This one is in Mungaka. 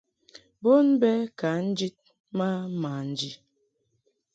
Bon bɛ ka njid ma manji.